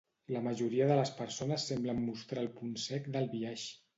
La majoria de les persones semblen mostrar el punt cec del biaix.